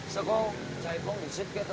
sekau cahit pun wisit gitu